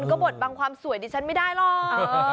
ก็บทบังความสวยดิฉันไม่ได้หรอก